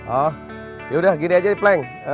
oh yaudah gini aja nih pleng